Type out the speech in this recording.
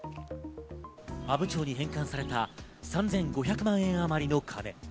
阿武町に返還された３５００万円あまりの金。